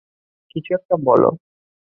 কিছু একটা বল।